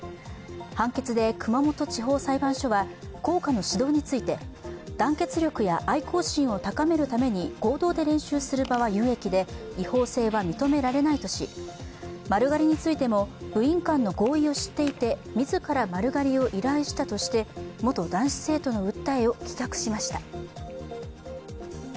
判決で熊本地方裁判所は校歌の指導について団結力や愛校心を高めるために合同で練習する場は有益で、違法性は認められないとし、丸刈りについても部員間の合意を知っていて自ら丸刈りを依頼したとして、元男子生徒の訴えを棄却しました。